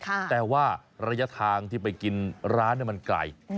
ใช่ได้แต่ว่ารายทางที่ไปกินร้านมันไกล